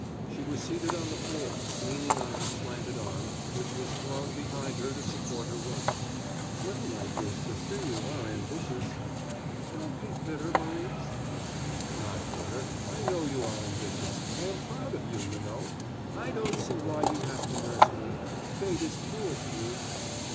She was seated on the floor, leaning on her slanted arm, which was thrown behind her to support her weight. "Well, my dear sister, you are ambitious—" "Don't be bitter, Maurice." "I'm not bitter; I know you are ambitious; I am proud of you, you know. I don't see why you have to nurse me; fate is cruel to you."